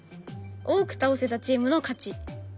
多く倒せたチームの勝ち。